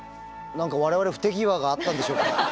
何か我々不手際があったんでしょうか？